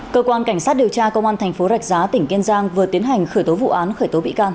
cơ quan cảnh sát điều tra công an thành phố rạch giá tỉnh kiên giang vừa tiến hành khởi tố vụ án khởi tố bị can